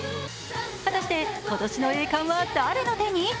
果たして今年の栄冠は誰の手に？